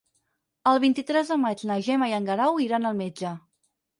El vint-i-tres de maig na Gemma i en Guerau iran al metge.